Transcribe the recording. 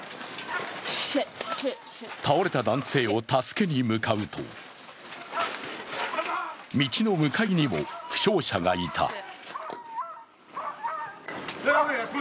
倒れた男性を助けに向かうと道の向かいにも、負傷者がいた。